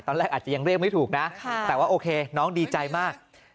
ตอนแรกอาจจะยังเรียกไม่ถูกนะแต่ว่าโอเคน้องดีใจมาก